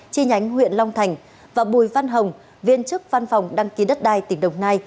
chi nhánh huyện long thành và bùi văn hồng viên chức văn phòng đăng ký đất đai tỉnh đồng nai